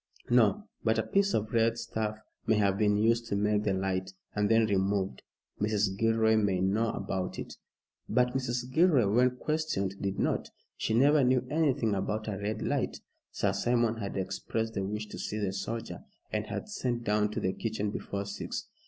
"No. But a piece of red stuff may have been used to make the light, and then removed." "Mrs. Gilroy may know about it." But Mrs. Gilroy, when questioned, did not. She never knew anything about a red light. Sir Simon had expressed the wish to see the soldier, and had sent down to the kitchen before six.